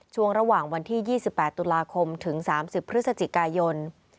ช่วงระหว่างวันที่๒๘ตุลาคมถึง๓๐พฤศจิกายน